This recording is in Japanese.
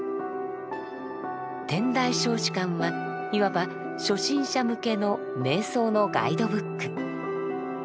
「天台小止観」はいわば初心者向けの瞑想のガイドブック。